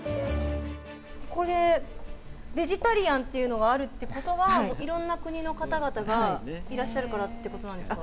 これ、ベジタリアンっていうのがあるってことは、いろんな国の方々がいらっしゃるからっていうことなんですか。